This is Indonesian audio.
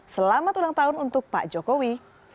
selamat ulang tahun untuk pak jokowi